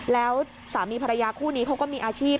แล้วสามีภรรยาคู่นี้เขาก็มีอาชีพ